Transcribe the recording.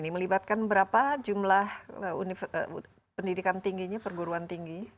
ini melibatkan berapa jumlah pendidikan tingginya perguruan tinggi